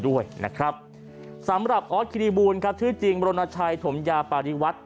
ด้วยนะครับสำหรับออสคิริบูลครับชื่อจริงบรณชัยถมยาปาริวัฒน์